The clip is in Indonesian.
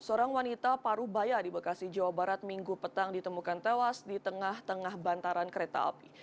seorang wanita parubaya di bekasi jawa barat minggu petang ditemukan tewas di tengah tengah bantaran kereta api